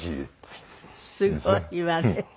すごいわね。